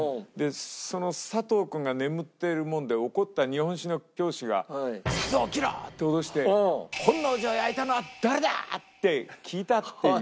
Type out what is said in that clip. そのサトウくんが眠ってるもんで怒った日本史の教師が「サトウ起きろ！」って脅して「本能寺を焼いたのは誰だ！？」って聞いたっていう。